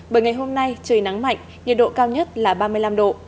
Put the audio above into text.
bởi ngày hôm nay trời nắng mạnh nhiệt độ cao nhất là ba mươi năm độ